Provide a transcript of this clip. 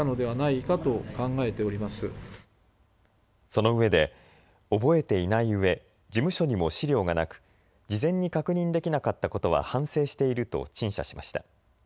そのうえで覚えていないうえ事務所にも資料がなく事前に確認できなかったことは反省していると陳謝しました。